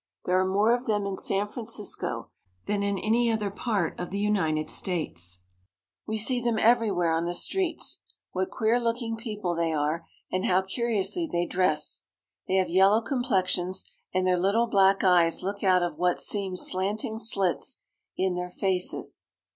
There are more of them in San Francisco than in any other part of the United States. We see them everywhere on the streets. What queer looking people they are, and how curiously they dress ! They have yellow complexions, and their Httle black eyes look out of what seem slanting slits in their faces.